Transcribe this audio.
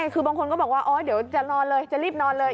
คือบางคนก็บอกว่าเดี๋ยวจะรีบนอนเลย